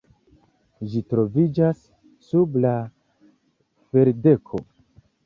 Ĝi troviĝas sub la ferdeko.